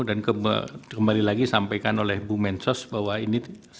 dan kembali lagi sampaikan oleh bu mensos bahwa ini